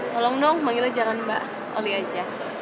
tolong dong manggilnya jangan mbak oli aja